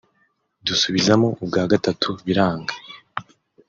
dusubizamo ubwagatatu biranga